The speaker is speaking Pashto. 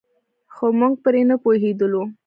خو موږ پرې نه پوهېدلو.